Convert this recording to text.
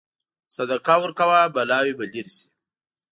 صدقه ورکوه، بلاوې به لرې شي.